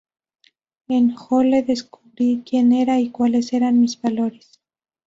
En Hole descubrí quien era y cuales eran mis valores.